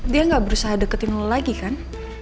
dia nggak berusaha deketin lo lagi kan